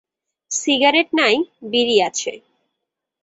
Cigarette নাই, বিড়ি আছে।